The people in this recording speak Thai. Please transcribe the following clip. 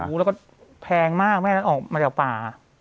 อู้แล้วก็แพงมากแม่ออกมาจากป่า